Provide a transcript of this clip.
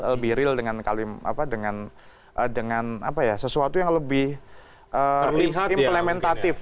lebih real dengan sesuatu yang lebih implementatif